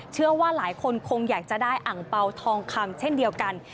เชื่อว่าหลายคนคงอยากจะได้อังเปล่าทองคำเช่นเดียวกัน